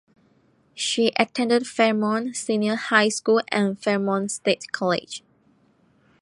She attended Fairmont Senior High School and Fairmont State College.